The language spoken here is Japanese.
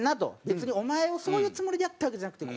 「別にお前をそういうつもりでやったわけじゃなくて」。